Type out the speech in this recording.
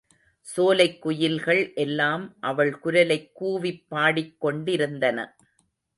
சோலைக் குயில்கள் எல்லாம் அவள் குரலைக் கூவிப் பாடிக் கொண்டிருந்தன.